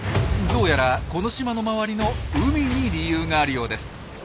どうやらこの島の周りの「海」に理由があるようです。